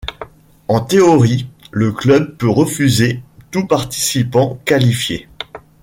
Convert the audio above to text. En théorie, le club peut refuser tout participant qualifié.